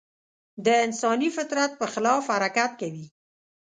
د انساني فطرت په خلاف حرکت کوي.